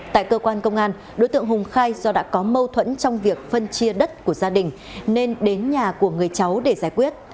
tại cơ quan công an đối tượng hùng khai do đã có mâu thuẫn trong việc phân chia đất của gia đình nên đến nhà của người cháu để giải quyết